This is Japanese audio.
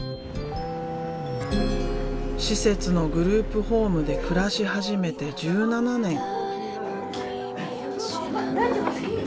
施設のグループホームで暮らし始めて１７年。